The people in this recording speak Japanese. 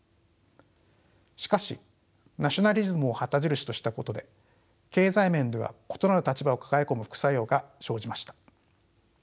しかしナショナリズムを旗印としたことで経済面では異なる立場を抱え込む副作用が生じました。